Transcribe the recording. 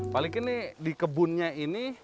pak likin nih di kebunnya ini